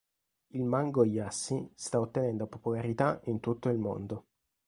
Il Mango lassi sta ottenendo popolarità in tutto il mondo.